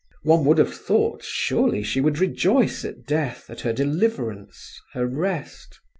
One would have thought, surely she would rejoice at death, at her deliverance, her rest.